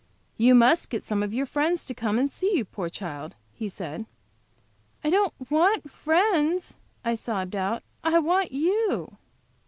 "You must get some of your friends to come and see you, poor child," he said. "I don't want friends," I sobbed out. "I want you."